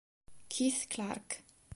Keith Clark